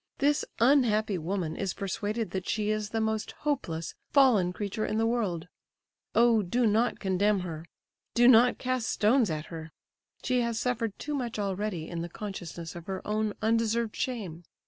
This unhappy woman is persuaded that she is the most hopeless, fallen creature in the world. Oh, do not condemn her! Do not cast stones at her! She has suffered too much already in the consciousness of her own undeserved shame.